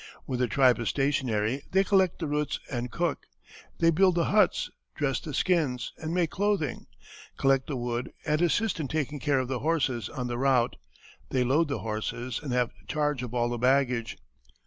When the tribe is stationary they collect the roots and cook; they build the huts, dress the skins, and make clothing, collect the wood, and assist in taking care of the horses on the route; they load the horses, and have charge of all the baggage.